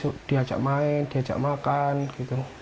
diajak main diajak makan gitu